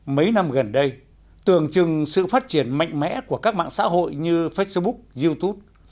mấy năm gần đây tường trừng sự phát triển mạnh mẽ của các mạng xã hội như facebook youtube